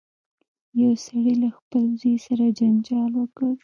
یو سړي له خپل زوی سره جنجال وکړ.